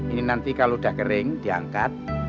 ini nanti kalau sudah kering diangkat